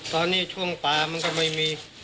ตอนนี้ช่วงปลามันก็ไม่มี